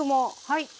はい。